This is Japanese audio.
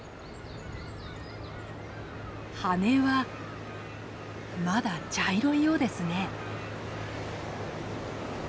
羽はまだ茶色いようですね。